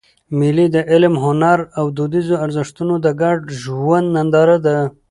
مېلې د علم، هنر او دودیزو ارزښتو د ګډ ژوند ننداره ده.